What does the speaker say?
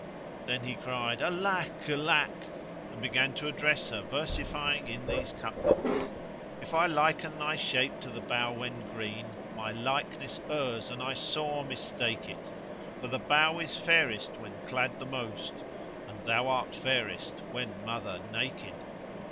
Then he cried "Alack! Alack!"and began to address her, versifying in these couplets:— "If I liken thy shape to the bough when green * My likeness errs and I sore mistake it; For the bough is fairest when clad the most * And thou art fairest when mother naked."